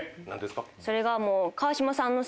それがもう。